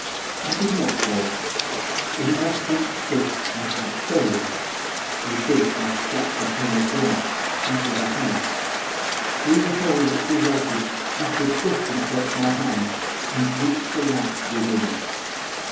I did not fall. In my clenched fist I had a stone. With this I struck the pane of glass, as with a hammer. Through the hole which resulted, I could just insert my hand, and reach the latch within.